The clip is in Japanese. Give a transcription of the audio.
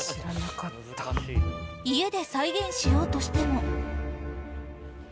家で再現しようとしても。